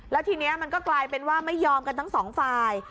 แล้วทีนี้มันก็กลายเป็นว่าไม่ยอมกันทั้งสองฝ่าย